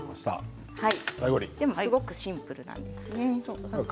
でも、すごくシンプルなんですね。